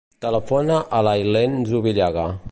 Telefona a l'Aylen Zubillaga.